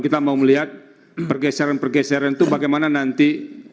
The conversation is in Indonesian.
kita mau melihat pergeseran pergeseran itu bagaimana nanti